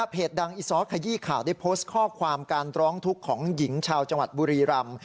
ดังอีซ้อขยี้ข่าวได้โพสต์ข้อความการร้องทุกข์ของหญิงชาวจังหวัดบุรีรำ